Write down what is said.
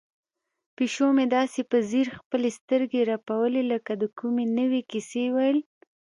پیشو مې داسې په ځیر خپلې سترګې رپوي لکه د کومې نوې کیسې ویل.